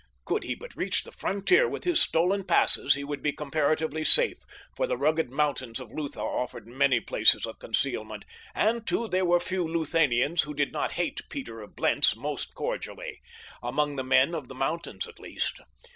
Could he but reach the frontier with his stolen passes he would be comparatively safe, for the rugged mountains of Lutha offered many places of concealment, and, too, there were few Luthanians who did not hate Peter of Blentz most cordially—among the men of the mountains at least.